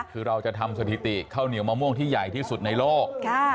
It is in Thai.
คือเราจะทำสถิติข้าวเหนียวมะม่วงที่ใหญ่ที่สุดในโลก